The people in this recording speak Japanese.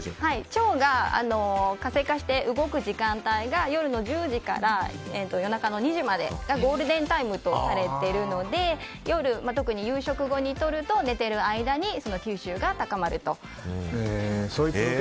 腸が活性化して動く時間が夜の１０時から夜中の２時までがゴールデンタイムとされているので夜、特に夕食後にとると寝てる間に吸収が高まると。